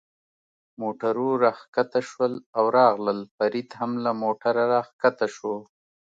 موټرو را کښته شول او راغلل، فرید هم له موټره را کښته شو.